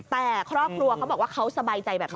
แต่ครอบครัวเขาบอกว่าเขาสบายใจแบบนี้